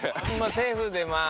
セーフでまあ。